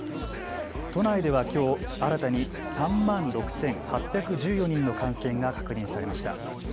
都内ではきょう新たに３万６８１４人の感染が確認されました。